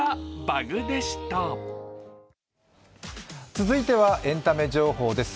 続いてはエンタメ情報です。